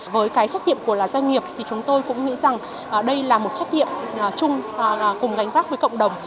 với cái trách nhiệm của doanh nghiệp thì chúng tôi cũng nghĩ rằng đây là một trách nhiệm chung cùng gánh vác với cộng đồng